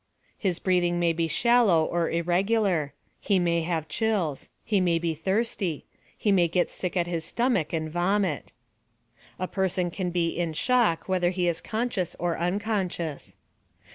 His breathing may be shallow or irregular. He may have chills. He may be thirsty. He may get sick at his stomach and vomit. A person can be "in shock" whether he is conscious or unconscious.